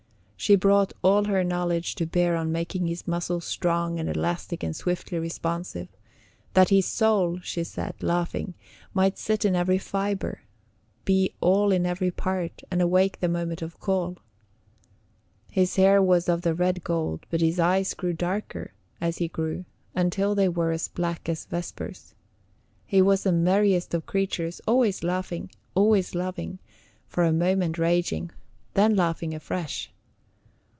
She brought all her knowledge to bear on making his muscles strong and elastic and swiftly responsive that his soul, she said, laughing, might sit in every fibre, be all in every part, and awake the moment of call. His hair was of the red gold, but his eyes grew darker as he grew, until they were as black as Vesper's. He was the merriest of creatures, always laughing, always loving, for a moment raging, then laughing afresh.